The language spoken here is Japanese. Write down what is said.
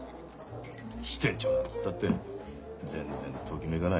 支店長なんつったって全然ときめかないよな。